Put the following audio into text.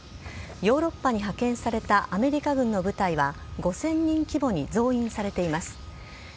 ヨーロッパに派遣されたアメリカ軍の部隊は、５０００人規模に増員されています。